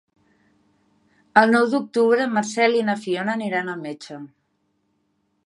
El nou d'octubre en Marcel i na Fiona aniran al metge.